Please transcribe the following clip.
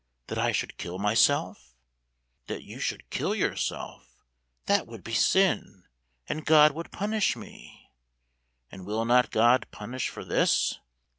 "That I should kill myself?"— "That you should kill yourself."—"That would be sin, And God would punish me!"—"And will not God Punish for this?"